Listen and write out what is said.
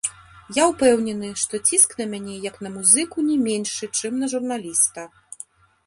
Я ўпэўнены, што ціск на мяне як на музыку не меншы, чым на журналіста.